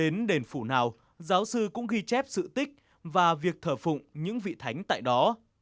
đến đền phủ nào giáo sư cũng ghi chép sự tích và việc thờ phụng những vị thánh tại đó